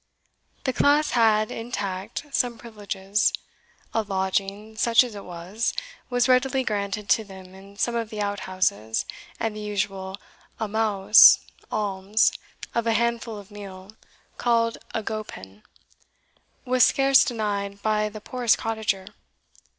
The class had, intact, some privileges. A lodging, such as it was, was readily granted to them in some of the out houses, and the usual awmous (alms) of a handful of meal (called a gowpen) was scarce denied by the poorest cottager.